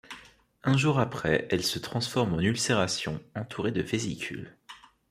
Un jour après, elle se transforme en ulcération entourée de vésicules.